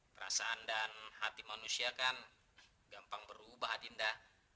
perasaan dan hati manusia kan gampang berubah adinda